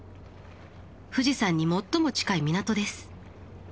富士山に最も近い港です。